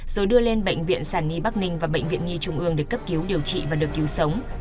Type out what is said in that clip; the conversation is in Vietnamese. rồi đưa lên bệnh viện sản nhi bắc ninh và bệnh viện nhi trung ương để cấp cứu điều trị và được cứu sống